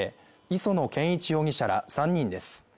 磯野賢一容疑者ら３人です。